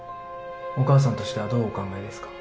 お母さんとしてはどうお考えですか？